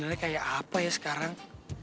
nilainya kayak apa ya sekarang